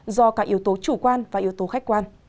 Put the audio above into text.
do cả yếu tố chủ quan và yếu tố khách quan